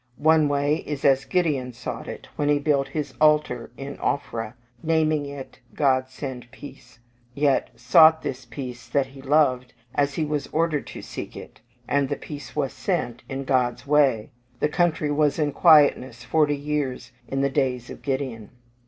One way is as Gideon sought it, when he built his altar in Ophrah, naming it, "God send peace," yet sought this peace that he loved, as he was ordered to seek it, and the peace was sent, in God's way: "the country was in quietness forty years in the days of Gideon."